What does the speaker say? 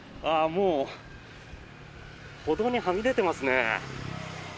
もう歩道にはみ出てますね。